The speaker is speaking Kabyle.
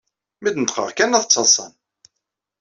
Mi d-neṭqeɣ kan ad ttaḍsan.